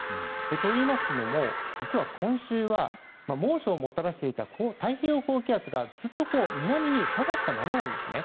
といいますのも、実は今週は猛暑をもたらしていた太平洋高気圧が、ずっと南に下がったままなんですね。